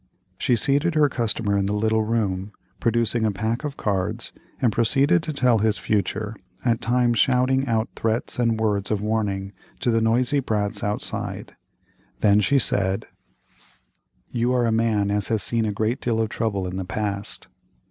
She seated her customer in the little room, produced a pack of cards, and proceeded to tell his future, at times shouting out threats and words of warning to the noisy brats outside. Then she said: "You are a man as has seen a great deal of trouble in the past."